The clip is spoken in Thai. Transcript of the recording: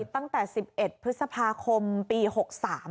ตั้งแต่๑๑พฤษภาคมปี๖๓มัน